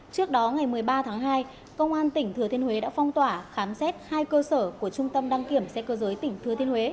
trước đó ngày một mươi ba tháng hai công an tỉnh thừa thiên huế đã phong tỏa khám xét hai cơ sở của trung tâm đăng kiểm xe cơ giới tỉnh thừa thiên huế